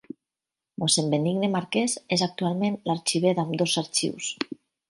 Mossèn Benigne Marquès és actualment l'arxiver d'ambdós arxius.